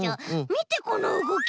みてこのうごき！